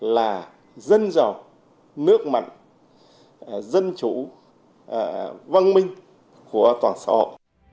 là dân giàu nước mạnh dân chủ văn minh của toàn xã hội